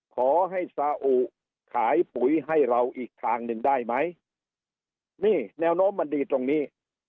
ขอให้ซาอุขายปุ๋ยให้เราอีกทางหนึ่งได้ไหมนี่แนวโน้มมันดีตรงนี้